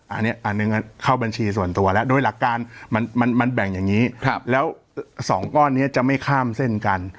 อันนี้อันหนึ่งเข้าบัญชีส่วนตัวแล้วโดยหลักการมันแบ่งอย่างนี้แล้ว๒ก้อนนี้จะไม่ข้ามเส้นกัน